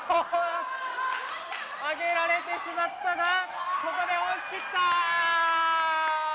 上げられてしまったがここで押し切った！